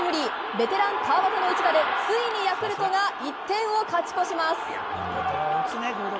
ベテラン、川端の一打でついにヤクルトが１点を勝ち越します。